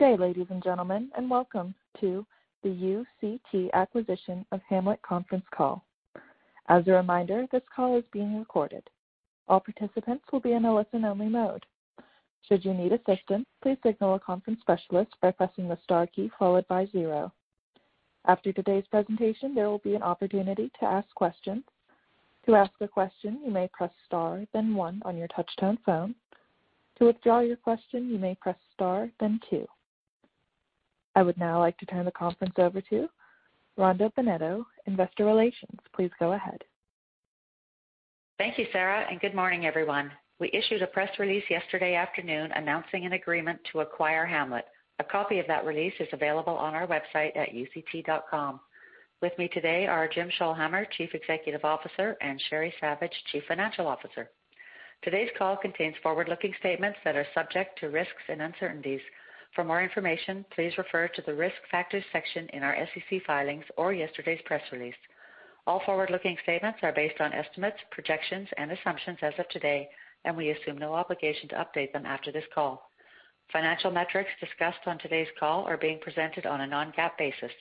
Good day, ladies and gentlemen, and welcome to the UCT Acquisition of Ham-Let Conference Call. As a reminder, this call is being recorded. All participants will be in a listen-only mode. Should you need assistance, please signal a conference specialist by pressing the star key followed by zero. After today's presentation, there will be an opportunity to ask questions. To ask a question, you may press star, then one on your touch-tone phone. To withdraw your question, you may press star, then two. I would now like to turn the conference over to Rhonda Bennetto, Investor Relations. Please go ahead. Thank you, Sarah, and good morning, everyone. We issued a press release yesterday afternoon announcing an agreement to acquire Ham-Let. A copy of that release is available on our website at uct.com. With me today are Jim Scholhamer, Chief Executive Officer, and Sheri Savage, Chief Financial Officer. Today's call contains forward-looking statements that are subject to risks and uncertainties. For more information, please refer to the risk factors section in our SEC filings or yesterday's press release. All forward-looking statements are based on estimates, projections, and assumptions as of today, and we assume no obligation to update them after this call. Financial metrics discussed on today's call are being presented on a non-GAAP basis.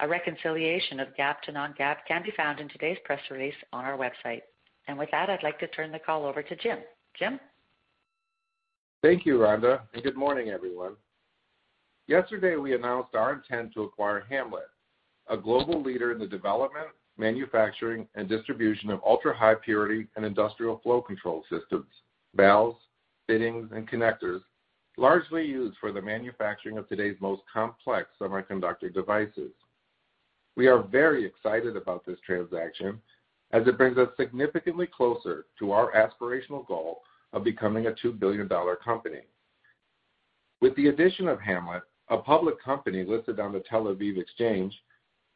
A reconciliation of GAAP to non-GAAP can be found in today's press release on our website. And with that, I'd like to turn the call over to Jim. Jim? Thank you, Rhonda, and good morning, everyone. Yesterday, we announced our intent to acquire Ham-Let, a global leader in the development, manufacturing, and distribution of ultra-high-purity and industrial flow control systems, valves, fittings, and connectors largely used for the manufacturing of today's most complex semiconductor devices. We are very excited about this transaction as it brings us significantly closer to our aspirational goal of becoming a $2 billion company. With the addition of Ham-Let, a public company listed on the Tel Aviv Exchange,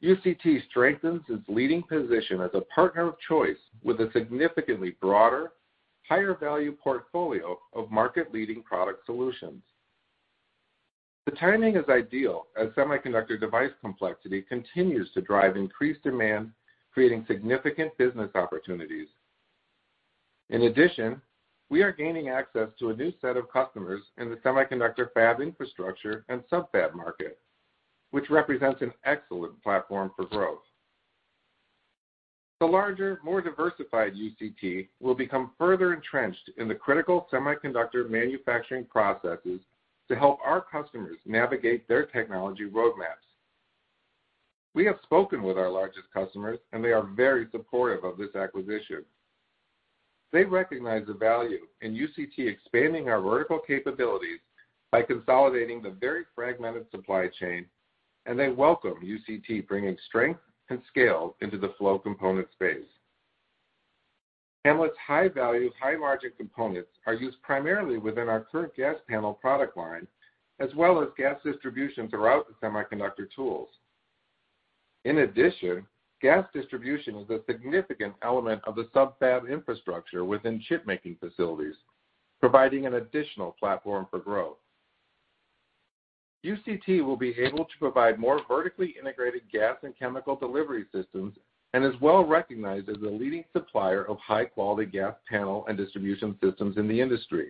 UCT strengthens its leading position as a partner of choice with a significantly broader, higher-value portfolio of market-leading product solutions. The timing is ideal as semiconductor device complexity continues to drive increased demand, creating significant business opportunities. In addition, we are gaining access to a new set of customers in the semiconductor fab infrastructure and subfab market, which represents an excellent platform for growth. The larger, more diversified UCT will become further entrenched in the critical semiconductor manufacturing processes to help our customers navigate their technology roadmaps. We have spoken with our largest customers, and they are very supportive of this acquisition. They recognize the value in UCT expanding our vertical capabilities by consolidating the very fragmented supply chain, and they welcome UCT bringing strength and scale into the flow component space. Ham-Let’s high-value, high-margin components are used primarily within our current gas panel product line, as well as gas distribution throughout the semiconductor tools. In addition, gas distribution is a significant element of the subfab infrastructure within chipmaking facilities, providing an additional platform for growth. UCT will be able to provide more vertically integrated gas and chemical delivery systems and is well recognized as the leading supplier of high-quality gas panel and distribution systems in the industry.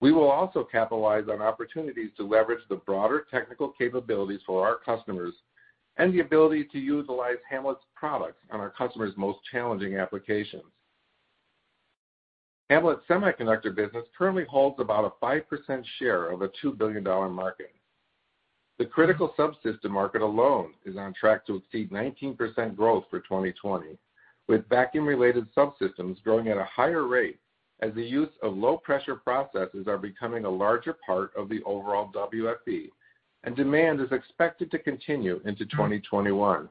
We will also capitalize on opportunities to leverage the broader technical capabilities for our customers and the ability to utilize Ham-Let's products on our customers' most challenging applications. Ham-Let's semiconductor business currently holds about a 5% share of a $2 billion market. The critical subsystem market alone is on track to exceed 19% growth for 2020, with vacuum-related subsystems growing at a higher rate as the use of low-pressure processes is becoming a larger part of the overall WFE, and demand is expected to continue into 2021.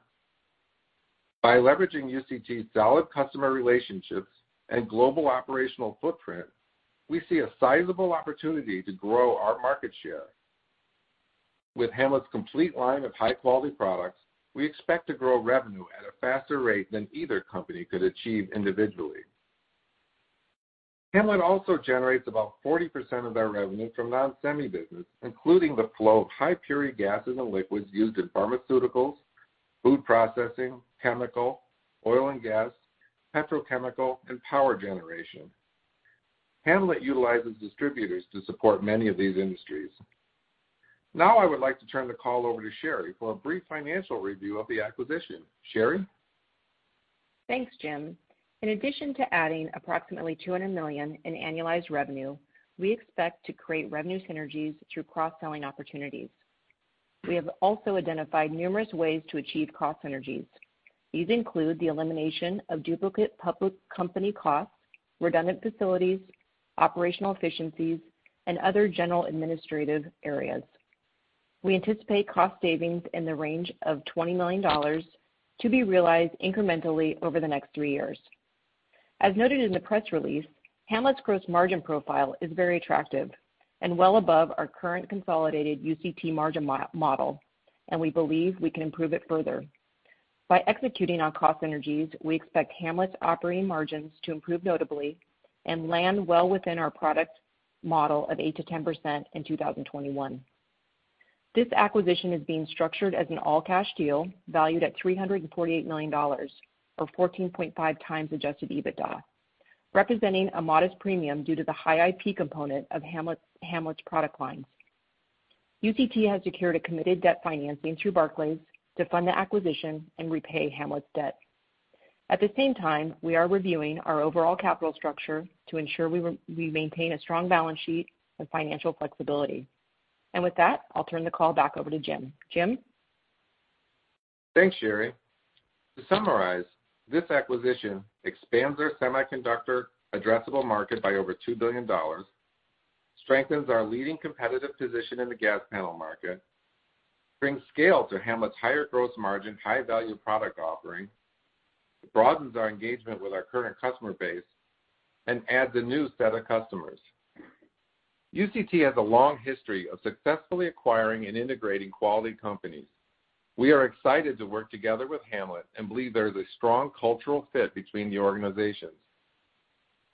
By leveraging UCT's solid customer relationships and global operational footprint, we see a sizable opportunity to grow our market share. With Ham-Let's complete line of high-quality products, we expect to grow revenue at a faster rate than either company could achieve individually. Ham-Let also generates about 40% of their revenue from non-semi business, including the flow of high-purity gases and liquids used in pharmaceuticals, food processing, chemical, oil and gas, petrochemical, and power generation. Ham-Let utilizes distributors to support many of these industries. Now, I would like to turn the call over to Sheri for a brief financial review of the acquisition. Sheri? Thanks, Jim. In addition to adding approximately $200 million in annualized revenue, we expect to create revenue synergies through cross-selling opportunities. We have also identified numerous ways to achieve cost synergies. These include the elimination of duplicate public company costs, redundant facilities, operational efficiencies, and other general administrative areas. We anticipate cost savings in the range of $20 million to be realized incrementally over the next three years. As noted in the press release, Ham-Let’s gross margin profile is very attractive and well above our current consolidated UCT margin model, and we believe we can improve it further. By executing on cost synergies, we expect Ham-Let’s operating margins to improve notably and land well within our product model of 8%-10% in 2021. This acquisition is being structured as an all-cash deal valued at $348 million, or 14.5x adjusted EBITDA, representing a modest premium due to the high IP component of Ham-Let's product lines. UCT has secured a committed debt financing through Barclays to fund the acquisition and repay Ham-Let's debt. At the same time, we are reviewing our overall capital structure to ensure we maintain a strong balance sheet and financial flexibility, and with that, I'll turn the call back over to Jim. Jim? Thanks, Sheri. To summarize, this acquisition expands our semiconductor addressable market by over $2 billion, strengthens our leading competitive position in the gas panel market, brings scale to Ham-Let's higher gross margin, high-value product offering, broadens our engagement with our current customer base, and adds a new set of customers. UCT has a long history of successfully acquiring and integrating quality companies. We are excited to work together with Ham-Let and believe there is a strong cultural fit between the organizations.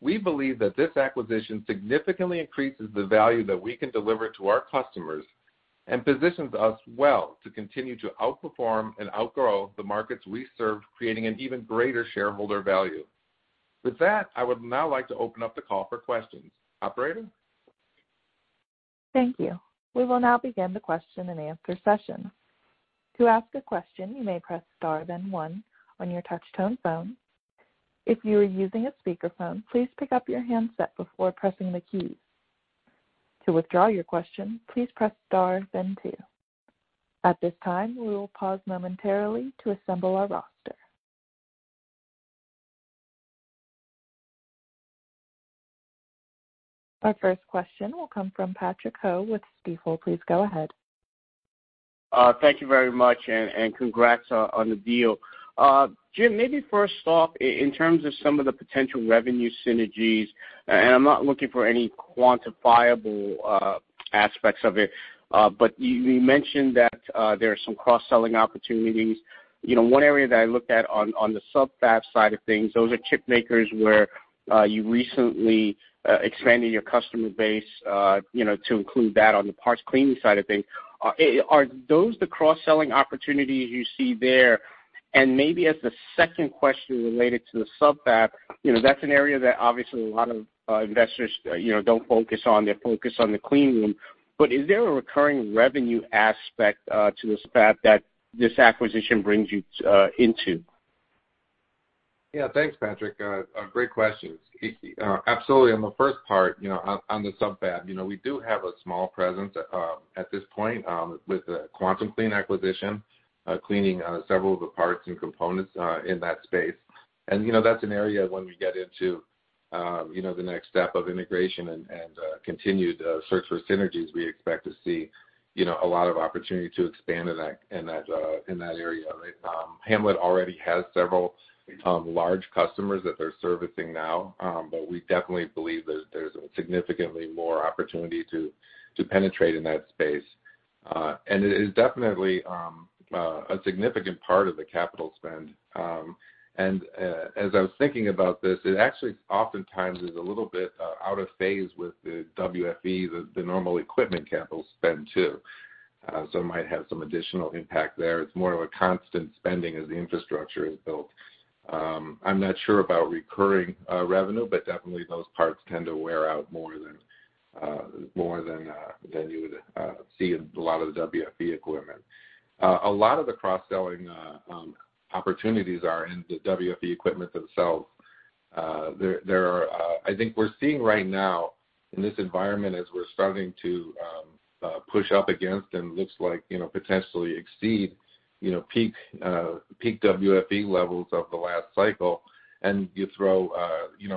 We believe that this acquisition significantly increases the value that we can deliver to our customers and positions us well to continue to outperform and outgrow the markets we serve, creating an even greater shareholder value. With that, I would now like to open up the call for questions. Operator? Thank you. We will now begin the question-and-answer session. To ask a question, you may press star, then one on your touch-tone phone. If you are using a speakerphone, please pick up your handset before pressing the keys. To withdraw your question, please press star, then two. At this time, we will pause momentarily to assemble our roster. Our first question will come from Patrick Ho with Stifel. Please go ahead. Thank you very much and congrats on the deal. Jim, maybe first off, in terms of some of the potential revenue synergies, and I'm not looking for any quantifiable aspects of it, but you mentioned that there are some cross-selling opportunities. One area that I looked at on the subfab side of things, those are chipmakers where you recently expanded your customer base to include that on the parts cleaning side of things. Are those the cross-selling opportunities you see there? Maybe as the second question related to the subfab, that's an area that obviously a lot of investors don't focus on. They focus on the cleanroom. Is there a recurring revenue aspect to the subfab that this acquisition brings you into? Yeah, thanks, Patrick. Great questions. Absolutely. On the first part, on the subfab, we do have a small presence at this point with the QuantumClean acquisition, cleaning several of the parts and components in that space. And that's an area when we get into the next step of integration and continued search for synergies, we expect to see a lot of opportunity to expand in that area. Ham-Let already has several large customers that they're servicing now, but we definitely believe there's significantly more opportunity to penetrate in that space. And it is definitely a significant part of the capital spend. And as I was thinking about this, it actually oftentimes is a little bit out of phase with the WFE, the normal equipment capital spend, too. So it might have some additional impact there. It's more of a constant spending as the infrastructure is built. I'm not sure about recurring revenue, but definitely those parts tend to wear out more than you would see in a lot of the WFE equipment. A lot of the cross-selling opportunities are in the WFE equipment themselves. I think we're seeing right now in this environment, as we're starting to push up against and looks like potentially exceed peak WFE levels of the last cycle, and you throw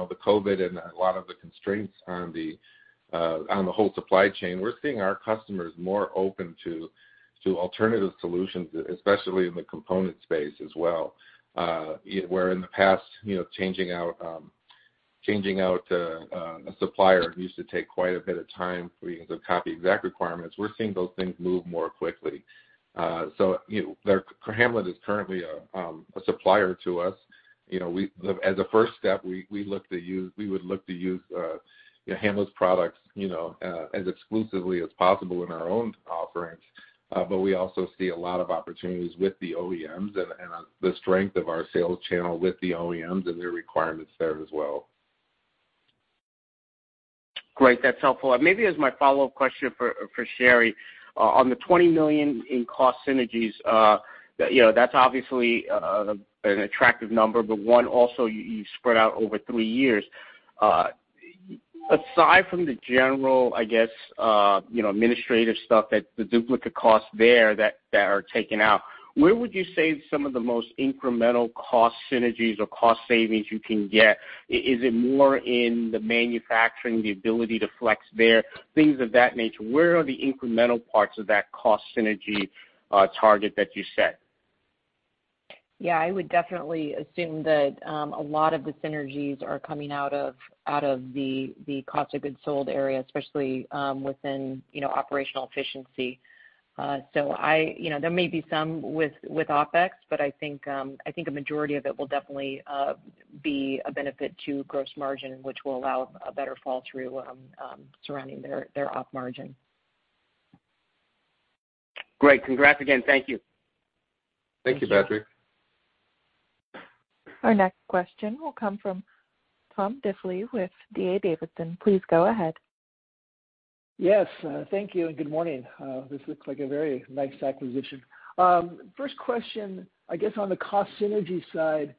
the COVID and a lot of the constraints on the whole supply chain, we're seeing our customers more open to alternative solutions, especially in the component space as well. Where in the past, changing out a supplier used to take quite a bit of time for you to copy exact requirements, we're seeing those things move more quickly. So Ham-Let is currently a supplier to us. As a first step, we would look to use Ham-Let's products as exclusively as possible in our own offerings, but we also see a lot of opportunities with the OEMs and the strength of our sales channel with the OEMs and their requirements there as well. Great. That's helpful. Maybe as my follow-up question for Sheri, on the $20 million in cost synergies, that's obviously an attractive number, but one also you spread out over three years. Aside from the general, I guess, administrative stuff, the duplicate costs there that are taken out, where would you say some of the most incremental cost synergies or cost savings you can get? Is it more in the manufacturing, the ability to flex there, things of that nature? Where are the incremental parts of that cost synergy target that you set? Yeah, I would definitely assume that a lot of the synergies are coming out of the cost of goods sold area, especially within operational efficiency. So there may be some with OpEx, but I think a majority of it will definitely be a benefit to gross margin, which will allow a better fall-through surrounding their Op margin. Great. Congrats again. Thank you. Thank you, Patrick. Our next question will come from Tom Diffley with D.A. Davidson. Please go ahead. Yes. Thank you and good morning. This looks like a very nice acquisition. First question, I guess on the cost synergy side,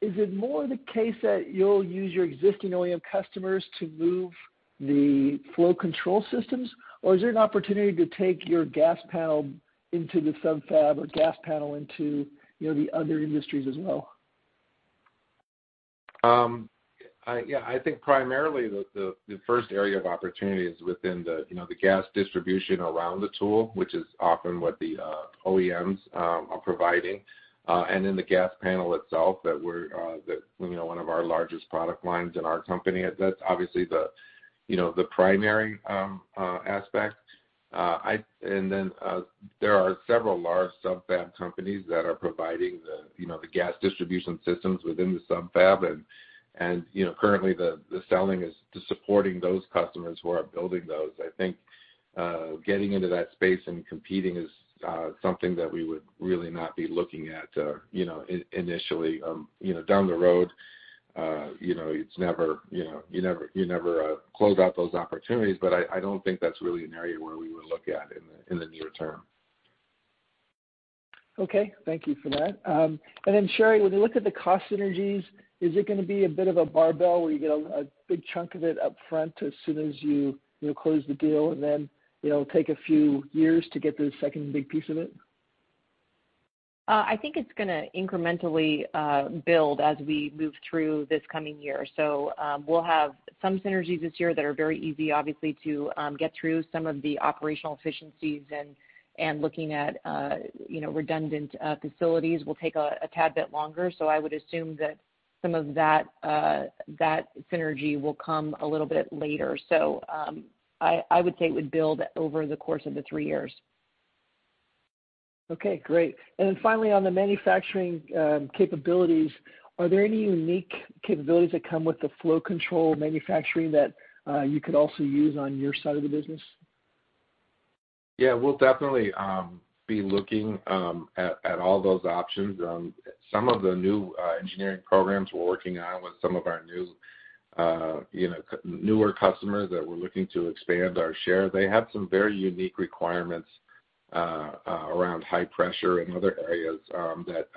is it more the case that you'll use your existing OEM customers to move the flow control systems, or is there an opportunity to take your gas panel into the subfab or gas panel into the other industries as well? Yeah, I think primarily the first area of opportunity is within the gas distribution around the tool, which is often what the OEMs are providing, and in the gas panel itself that we're one of our largest product lines in our company. That's obviously the primary aspect. And then there are several large subfab companies that are providing the gas distribution systems within the subfab, and currently the selling is to supporting those customers who are building those. I think getting into that space and competing is something that we would really not be looking at initially. Down the road, it's never; you never close out those opportunities, but I don't think that's really an area where we would look at in the near term. Okay. Thank you for that. And then Sheri, when you look at the cost synergies, is it going to be a bit of a barbell where you get a big chunk of it upfront as soon as you close the deal, and then it'll take a few years to get the second big piece of it? I think it's going to incrementally build as we move through this coming year. So we'll have some synergies this year that are very easy, obviously, to get through. Some of the operational efficiencies and looking at redundant facilities will take a tad bit longer. So I would assume that some of that synergy will come a little bit later. So I would say it would build over the course of the three years. Okay. Great. And then finally, on the manufacturing capabilities, are there any unique capabilities that come with the flow control manufacturing that you could also use on your side of the business? Yeah, we'll definitely be looking at all those options. Some of the new engineering programs we're working on with some of our newer customers that we're looking to expand our share, they have some very unique requirements around high pressure and other areas that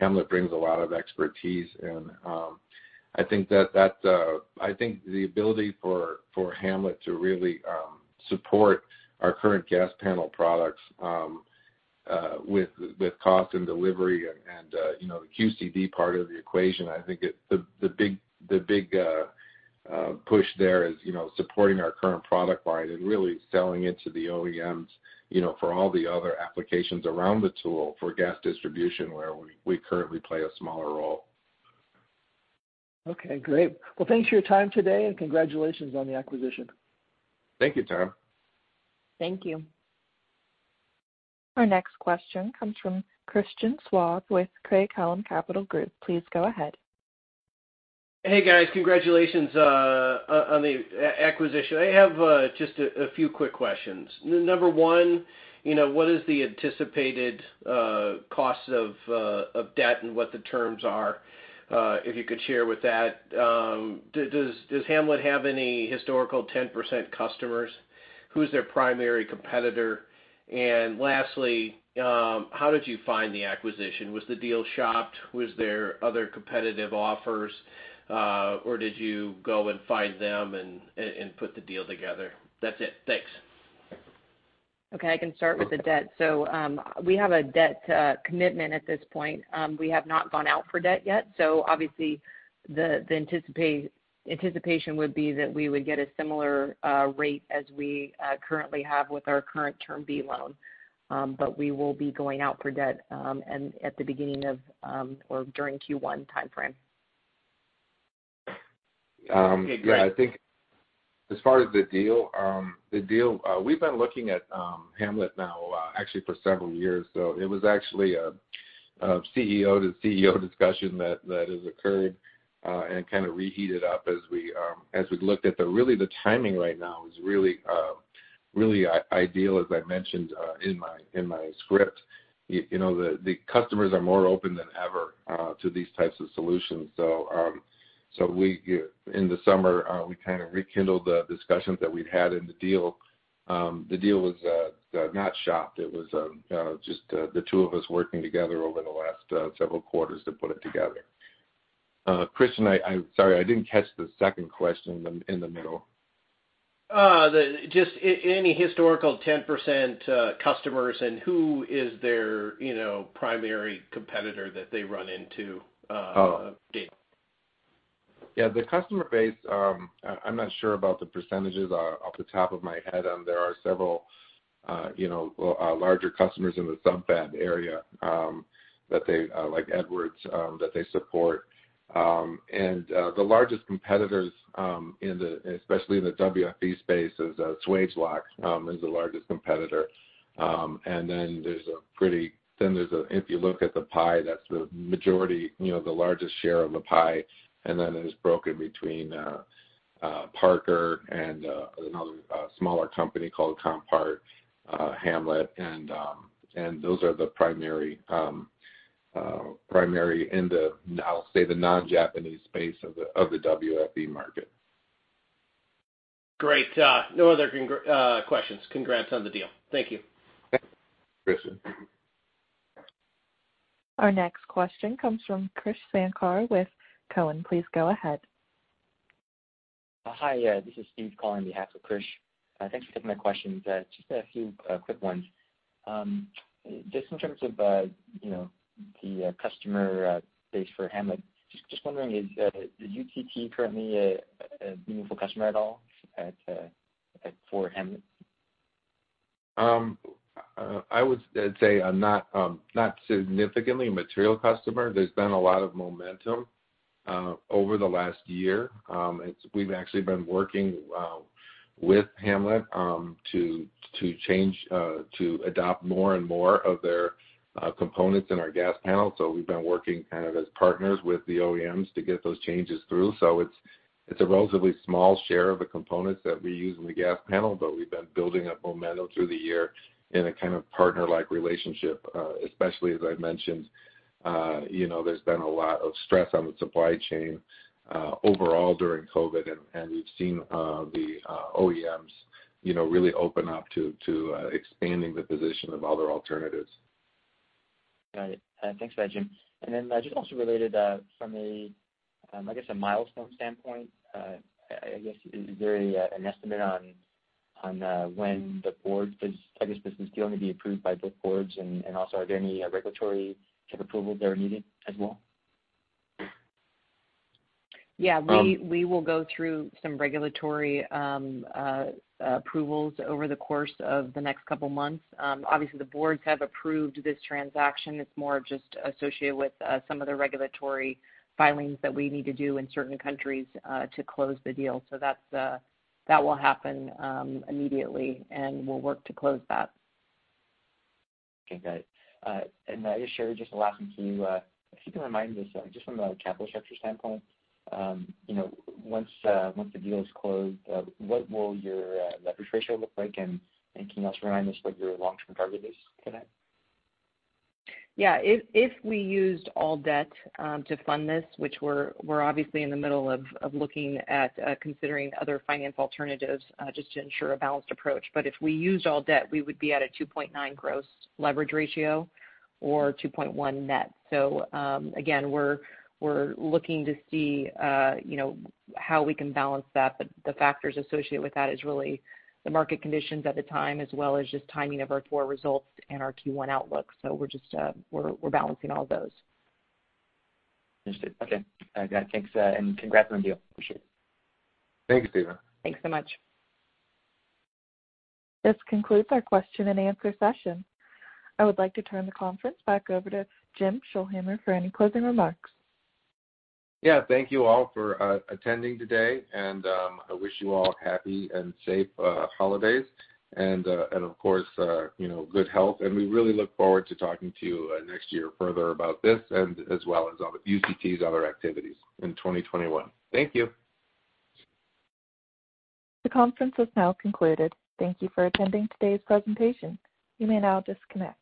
Ham-Let brings a lot of expertise in. I think that I think the ability for Ham-Let to really support our current gas panel products with cost and delivery and the QCD part of the equation, I think the big push there is supporting our current product line and really selling into the OEMs for all the other applications around the tool for gas distribution where we currently play a smaller role. Okay. Great. Well, thanks for your time today and congratulations on the acquisition. Thank you, Tom. Thank you. Our next question comes from Christian Schwab with Craig-Hallum Capital Group. Please go ahead. Hey, guys. Congratulations on the acquisition. I have just a few quick questions. Number one, what is the anticipated cost of debt and what the terms are? If you could share with that. Does Ham-Let have any historical 10% customers? Who is their primary competitor? And lastly, how did you find the acquisition? Was the deal shopped? Was there other competitive offers? Or did you go and find them and put the deal together? That's it. Thanks. Okay. I can start with the debt. So we have a debt commitment at this point. We have not gone out for debt yet. So obviously, the anticipation would be that we would get a similar rate as we currently have with our current Term B loan, but we will be going out for debt at the beginning of or during Q1 timeframe. Yeah. I think as far as the deal, we've been looking at Ham-Let now actually for several years. So it was actually a CEO to CEO discussion that has occurred and kind of reheated up as we looked at the really the timing right now is really ideal, as I mentioned in my script. The customers are more open than ever to these types of solutions. So in the summer, we kind of rekindled the discussions that we'd had in the deal. The deal was not shopped. It was just the two of us working together over the last several quarters to put it together. Christian, sorry, I didn't catch the second question in the middle. Just any historical 10% customers and who is their primary competitor that they run into? Yeah. The customer base, I'm not sure about the percentages off the top of my head, and there are several larger customers in the sub-fab area like Edwards that they support. And the largest competitors, especially in the WFE space, is Swagelok, the largest competitor. And then, if you look at the pie, that's the majority, the largest share of the pie. And then it's broken between Parker and another smaller company called Comparts, Ham-Let. And those are the primary in the, I'll say, the non-Japanese space of the WFE market. Great. No other questions. Congrats on the deal. Thank you. Thanks, Christian. Our next question comes from Krish Sankar with Cowen. Please go ahead. Hi. This is Steve calling on behalf of Krish. Thanks for taking my questions. Just a few quick ones. Just in terms of the customer base for Ham-Let, just wondering, is UCT currently a meaningful customer at all for Ham-Let? I would say not significantly a material customer. There's been a lot of momentum over the last year. We've actually been working with Ham-Let to adopt more and more of their components in our gas panel. So we've been working kind of as partners with the OEMs to get those changes through. So it's a relatively small share of the components that we use in the gas panel, but we've been building up momentum through the year in a kind of partner-like relationship, especially as I mentioned, there's been a lot of stress on the supply chain overall during COVID, and we've seen the OEMs really open up to expanding the position of other alternatives. Got it. Thanks for that, Jim. And then just also related from a, I guess, a milestone standpoint, I guess, is there an estimate on when the board I guess this is going to be approved by both boards, and also are there any regulatory approvals that are needed as well? Yeah. We will go through some regulatory approvals over the course of the next couple of months. Obviously, the boards have approved this transaction. It's more just associated with some of the regulatory filings that we need to do in certain countries to close the deal. So that will happen immediately, and we'll work to close that. Okay. Got it. And I guess, Sheri, just the last thing to you, if you can remind us, just from a capital structure standpoint, once the deal is closed, what will your leverage ratio look like? And can you also remind us what your long-term target is for that? Yeah. If we used all debt to fund this, which we're obviously in the middle of looking at considering other finance alternatives just to ensure a balanced approach, but if we used all debt, we would be at a 2.9 gross leverage ratio or 2.1 net. So again, we're looking to see how we can balance that, but the factors associated with that is really the market conditions at the time as well as just timing of our Q4 results and our Q1 outlook. So we're balancing all those. Understood. Okay. Got it. Thanks. And congrats on the deal. Appreciate it. Thanks, Stephen. Thanks so much. This concludes our question and answer session. I would like to turn the conference back over to Jim Scholhamer for any closing remarks. Yeah. Thank you all for attending today, and I wish you all happy and safe holidays and, of course, good health, and we really look forward to talking to you next year further about this and as well as UCT's other activities in 2021. Thank you. The conference has now concluded. Thank you for attending today's presentation. You may now disconnect.